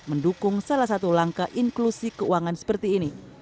mendukung salah satu langkah inklusi keuangan seperti ini